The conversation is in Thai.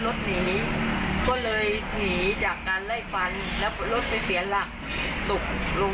รถหนีก็เลยหนีจากการไล่ฟันแล้วรถไปเสียหลักตกลง